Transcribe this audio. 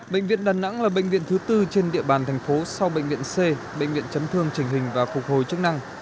bệnh viện đà nẵng là bệnh viện thứ tư trên địa bàn thành phố sau bệnh viện c bệnh viện chấn thương trình hình và phục hồi chức năng